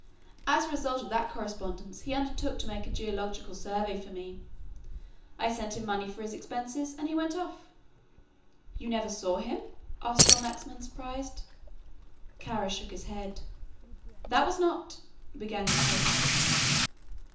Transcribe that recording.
As a result of that correspondence he undertook to make a geological survey for me. I sent him money for his expenses, and he went off." "You never saw him?" asked John Lexman, surprised. Kara shook his head. "That was not ?" began his host.